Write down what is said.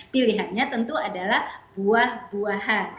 pilihannya tentu adalah buah buahan